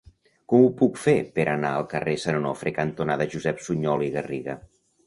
Com ho puc fer per anar al carrer Sant Onofre cantonada Josep Sunyol i Garriga?